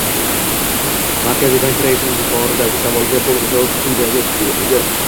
Markaziy bank raisining yuqoridagi savoliga to'liq javob quyida berilgan: